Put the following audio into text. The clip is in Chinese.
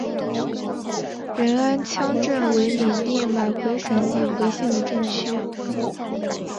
仁安羌镇为缅甸马圭省马圭县的镇区。